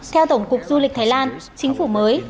theo tổng cục du lịch thái lan chính phủ mới